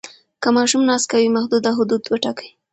که ماشوم ناز کوي، محدوده حدود وټاکئ.